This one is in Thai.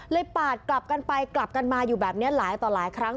ปาดกลับกันไปกลับกันมาอยู่แบบนี้หลายต่อหลายครั้ง